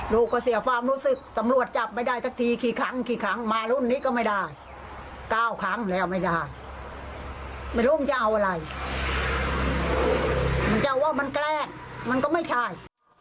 ลูกก็เสียความรู้สึกตำรวจจับไม่ได้สักทีกี่ครั้งกี่ครั้งมารุ่นนี้ก็ไม่ได้๙ครั้งแล้วไม่ได้ไม่รู้มันจะเอาอะไรมันจะว่ามันแกล้งมันก็ไม่ใช่